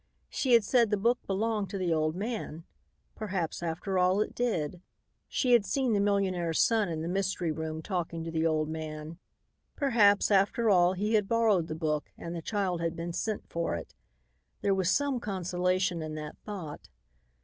She had said the book belonged to the old man. Perhaps, after all, it did. She had seen the millionaire's son in the mystery room talking to the old man. Perhaps, after all, he had borrowed the book and the child had been sent for it. There was some consolation in that thought.